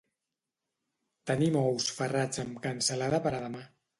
Tenim ous ferrats amb cansalada per a demà.